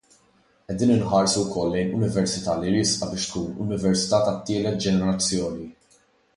Qegħdin inħarsu wkoll lejn Università li riesqa biex tkun università tat-tielet ġenerazzjoni.